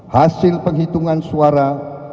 hasil penghitungan suara